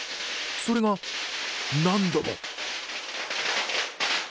それが何度も。